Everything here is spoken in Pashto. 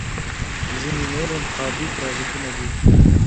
ځینې نور انتخابي پرازیتونه دي.